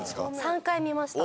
３回見ました。